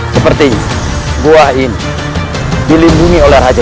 seperti gua ini dilindungi oleh raja